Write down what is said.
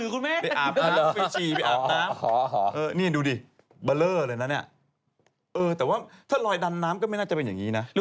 คำแก้วเปล่าพี่โผกย์ที่นี่เปล่าในห้องน้ำกรสินหรือเปล่าไปกินเหรอ